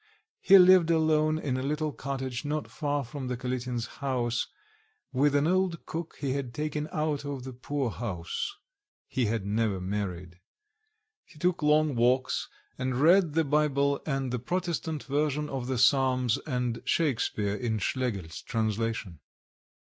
He lived alone in a little cottage not far from the Kalitin's house, with an old cook he had taken out of the poorhouse (he had never married). He took long walks, and read the Bible and the Protestant version of the Psalms, and Shakespeare in Schlegel's translation.